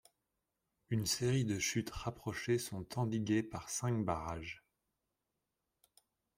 Une série de chutes rapprochées sont endiguées par cinq barrages.